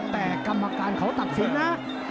แต่กรรมการเขาตัดสินนะ